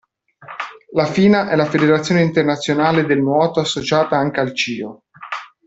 La FINA è la federazione internazionale del nuoto, associata anche al CIO.